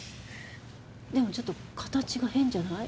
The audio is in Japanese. でもちょっと形が変じゃない？